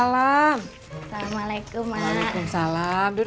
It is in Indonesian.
bapak mau ke rumah babes